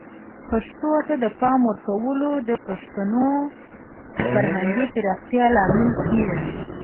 پښتو ته د پام ورکول د پښتنو د فرهنګي پراختیا لامل کیږي.